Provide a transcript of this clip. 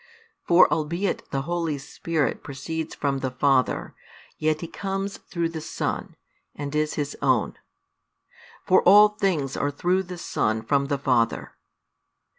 For albeit the Holy Spirit proceeds from the Father, yet He comes through the Son, and is His Own; for all things are through the Son from the Father.